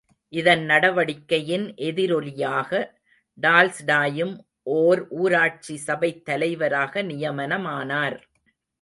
இதன் நடவடிக்கையின் எதிரொலியாக, டால்ஸ்டாயும் ஓர் ஊராட்சி சபைத் தலைவராக நியமனமானார்.